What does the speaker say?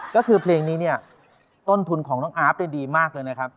ก็คือเพลงนี้เนี่ยต้นทุนของน้องอาร์ฟได้ดีมากเลยนะครับ